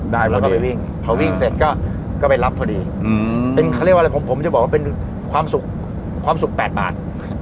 เราก็ไปวิ่งพอวิ่งเสร็จก็ไปรับพอดีเป็นเขาเรียกว่าอะไรผมจะบอกว่าเป็นความสุขความสุข๘บาท